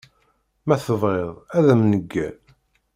Ma tebɣiḍ ad am-neggal.